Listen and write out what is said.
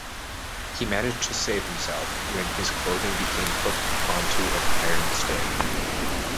He managed to save himself when his clothing became hooked onto an iron stay.